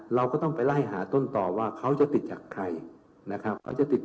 เราก็ต้องไปไล่หาต้นต่อว่าเขาจะติดจากใครนะครับ